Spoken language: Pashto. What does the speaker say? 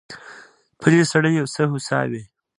پلی سړی یو څه هوسا وي.